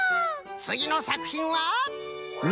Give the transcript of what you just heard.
つぎのさくひんは。